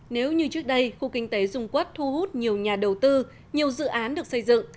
nếu như trước đây khu kinh tế dung quốc thu hút nhiều nhà đầu tư nhiều dự án được xây dựng